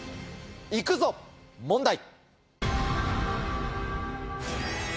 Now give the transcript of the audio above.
行くぞ問題！